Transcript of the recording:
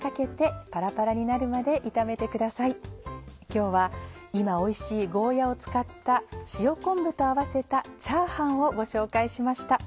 今日は今おいしいゴーヤを使った塩昆布と合わせたチャーハンをご紹介しました。